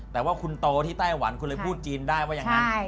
แต่ว่าคุณโตที่ไต้หวันคุณเลยพูดจีนได้ว่าอย่างนั้น